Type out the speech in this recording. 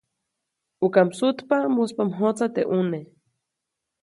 ʼUka msutpa, muspa mjotsa teʼ ʼune.